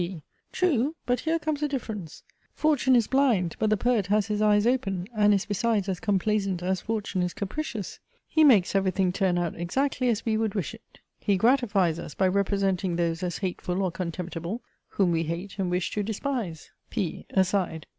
D. True! but here comes a difference. Fortune is blind, but the poet has his eyes open, and is besides as complaisant as fortune is capricious. He makes every thing turn out exactly as we would wish it. He gratifies us by representing those as hateful or contemptible whom we hate and wish to despise. P. (aside.)